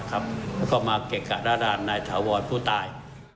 แล้วก็มาเกะกะหน้าด่านนายถาวรผู้ตาย